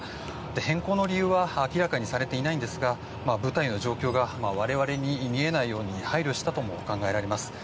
変更の理由は明らかにされていませんが部隊の状況が我々に見えないように配慮したともいえます。